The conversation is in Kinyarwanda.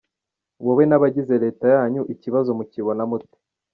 Wowe n’abagize Leta yanyu, iki kibazo mukibona mute ?